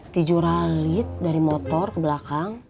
tijur alit dari motor ke belakang